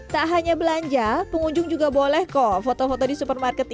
tak hanya belanja pengunjung juga boleh kok foto foto di supermarket